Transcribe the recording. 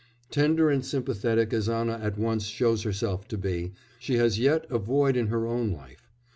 Tender and sympathetic as Anna at once shows herself to be, she has yet a void in her own life.